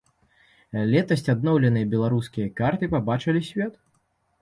Летась адноўленыя беларускія карты пабачылі свет.